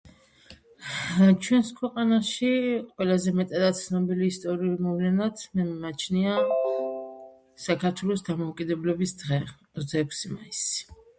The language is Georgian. ჩვენს ქვეყანაში ყველაზე მეტად ცნობილ ისტორიულ მოვლენად მე მიმაჩნია საქართველოს დამოუკიდებლობის დღე 26 მაისი